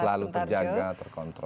selalu terjaga terkontrol